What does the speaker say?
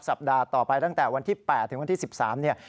สัปดาห์ต่อไปตั้งแต่วันที่๘ถึงวันที่๑๓เนี่ย